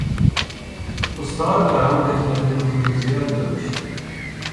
استاد در آن دهکده نفوذ زیادی داشت.